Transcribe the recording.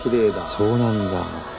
そうなんだ。